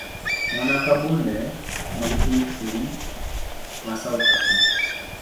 Mana ka bunde mag Tum Tum ma South Afrika.